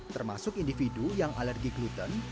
termasuk individu yang alergi gluten